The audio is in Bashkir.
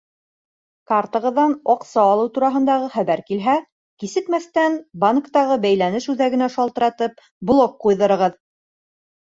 Картағыҙҙан аҡса алыу тураһында хәбәр килһә, кисекмәҫтән банктағы бәйләнеш үҙәгенә шылтыратып, блок ҡуйҙырығыҙ.